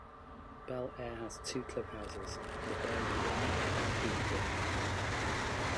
Bel-Air has two clubhouses: the Bay Wing and Peak Wing.